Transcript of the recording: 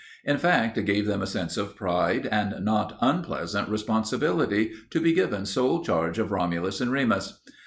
In fact, it gave them a sense of pride and not unpleasant responsibility to be given sole charge of Romulus and Remus.